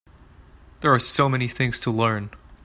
There are so many things to learn.